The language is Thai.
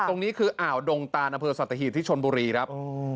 ตรงนี้คืออ่าวดงตานอำเภอสัตหีบที่ชนบุรีครับ